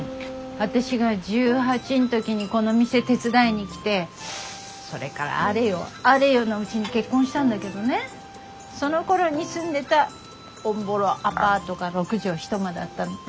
私が１８ん時にこの店手伝いに来てそれからあれよあれよのうちに結婚したんだけどねそのころに住んでたおんぼろアパートが６畳一間だったの。